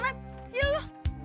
mat yuk lu